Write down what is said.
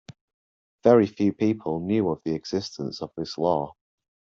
Very few people knew of the existence of this law.